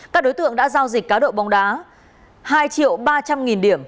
các đối tượng đã giao dịch cá độ bóng đá hai ba trăm linh điểm